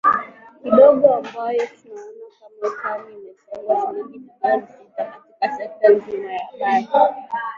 kidogo ambayo tunaona kama utani Imetengwa shilingi Bilioni sita katika sekta nzima ya Habari